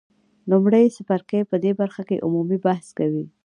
لومړی څپرکی په دې برخه کې عمومي بحث کوي.